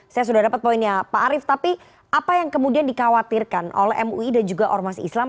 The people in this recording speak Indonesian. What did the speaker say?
saya sudah dapat poinnya pak arief tapi apa yang kemudian dikhawatirkan oleh mui dan juga ormas islam